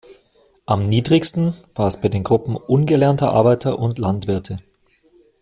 Am niedrigsten war es bei den Gruppen "ungelernte Arbeiter" und "Landwirte".